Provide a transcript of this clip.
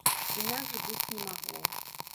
Інакш быць не магло.